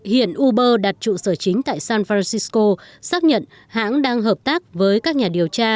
hiện uber đặt trụ sở chính tại san francisco xác nhận hãng đang hợp tác với các nhà điều tra